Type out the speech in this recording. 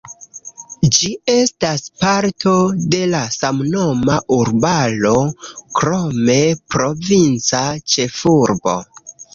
Ĝi estas parto de la samnoma urbaro, krome provinca ĉefurbo.